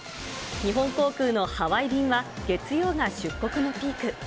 日本航空のハワイ便は、月曜が出国のピーク。